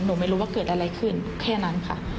หนูไม่รู้ว่าเกิดอะไรขึ้นแค่นั้นค่ะ